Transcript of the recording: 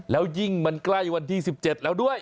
แล้วยิ่งมันใกล้วันที่๑๗แล้วด้วย